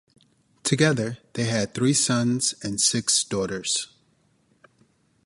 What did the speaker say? Together they had three sons and six daughters.